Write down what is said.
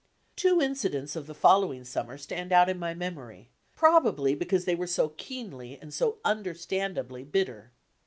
Two incidents of the following summer stand out in my memory, probably because they were so keenly and so understandably bitter.